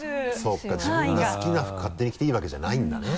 そうか自分が好きな服勝手に着ていいわけじゃないんだね。